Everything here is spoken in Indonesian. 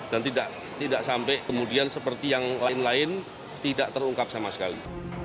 dan tidak sampai kemudian seperti yang lain lain tidak terungkap sama sekali